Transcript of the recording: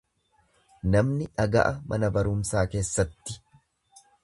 Namni dhaga'a mana barumsaa keessatti.